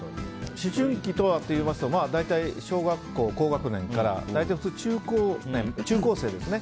思春期とはって言いますと大体、小学校高学年から中高生ですね。